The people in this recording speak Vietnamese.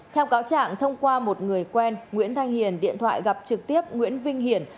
theo cáo trạng thông qua một người quen nguyễn thanh hiền điện thoại gặp trực tiếp nguyễn vinh hiển